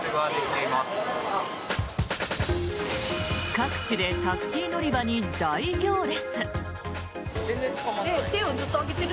各地でタクシー乗り場に大行列。